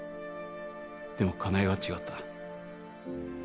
でも香奈江は違った。